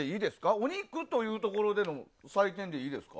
お肉というところでの採点でいいですか？